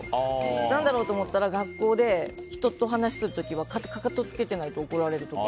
何だろうって思ったら学校で人と話する時はかかとをつけてないと怒られるって。